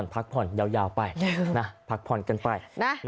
พักผ่อนยาวไปพักผ่อนกันไป